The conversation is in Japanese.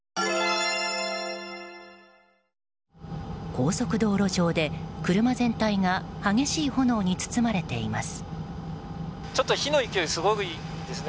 高速道路上で車全体が激しい炎に包まれています。